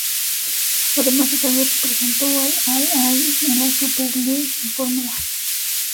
Además ese año representó al Al-Ain en la Superleague Formula.